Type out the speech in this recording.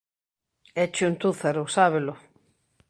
Éche un túzaro, sábelo.